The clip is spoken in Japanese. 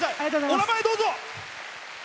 お名前をどうぞ。